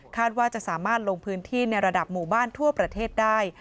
ว่าจะสามารถลงพื้นที่ในระดับหมู่บ้านทั่วประเทศได้